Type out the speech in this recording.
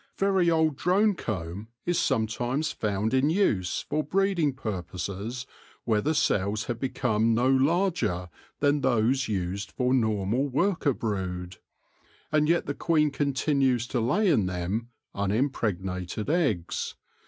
Very old drone comb is sometimes found in use for breeding purposes where the cells have become no larger than those used for normal worker brood. And yet the queen continues to lay in them un impregnated eggs.